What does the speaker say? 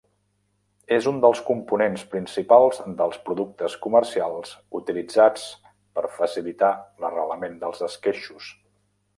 És un dels components principals dels productes comercials utilitzats per facilitar l'arrelament dels esqueixos.